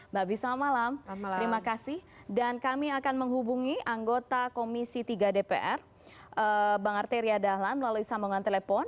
mbak bisma malam terima kasih dan kami akan menghubungi anggota komisi tiga dpr bang arteria dahlan melalui sambungan telepon